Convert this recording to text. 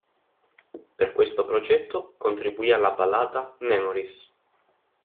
Per questo progetto, contribuì alla ballata "Memories".